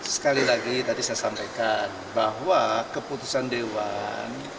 sekali lagi tadi saya sampaikan bahwa keputusan dewan